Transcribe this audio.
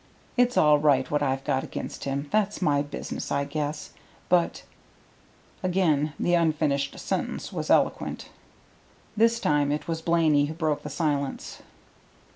"It's all right what I've got against him; that's my business, I guess, but " Again the unfinished sentence was eloquent. This time it was Blaney who broke the silence.